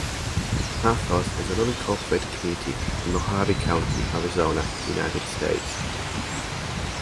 Athos is an unincorporated community in Mohave County, Arizona, United States.